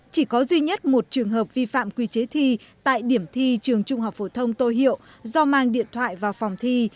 chỉ có duy nhất một trường hợp vi phạm quy chế thi tại điểm thi trường trung học phổ thông tô hiệu do mang điện thoại vào phòng thi